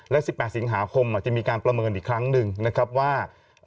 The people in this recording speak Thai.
และ๑๘สิงหาคมจะมีการประเมินอีกครั้งหนึ่งนะครับว่า